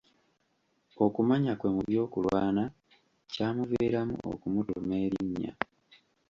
Okumanya kwe mu by'okulwana kyamuviiramu okumutuuma erinnya.